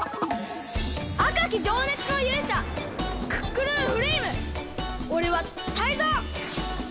あかきじょうねつのゆうしゃクックルンフレイムおれはタイゾウ！